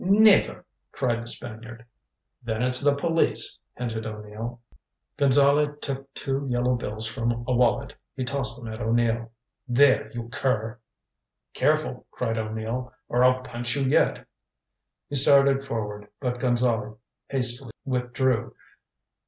"Never!" cried the Spaniard. "Then it's the police " hinted O'Neill. Gonzale took two yellow bills from a wallet He tossed them at O'Neill. "There, you cur " "Careful," cried O'Neill. "Or I'll punch you yet " He started forward, but Gonzale hastily withdrew.